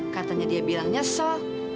katanya dia bilang nyesel